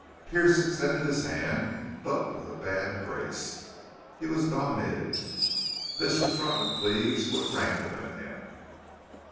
Pearce extended his hand, but with a bad grace. He was dominated. This affront of Cleve's would rankle in him.